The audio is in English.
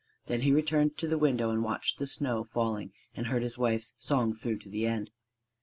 Then he returned to the window and watched the snow falling and heard his wife's song through to the end.